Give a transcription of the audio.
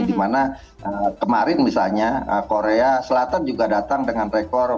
dimana kemarin misalnya korea selatan juga datang dengan rekor